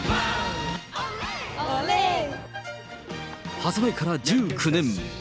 発売から１９年。